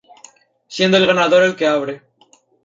Siendo el ganador el que abre.